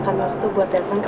terima kasih banyak ya